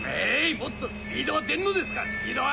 もっとスピードは出んのですかスピードは！